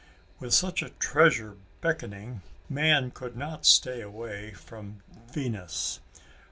With such a treasure beckoning, man could not stay away from Venus.